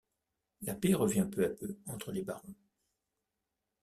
La paix revient peu à peu entre les barons.